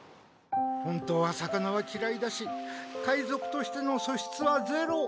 本当は魚はきらいだし海賊としてのそしつはゼロ。